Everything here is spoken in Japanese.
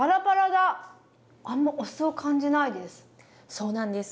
そうなんです。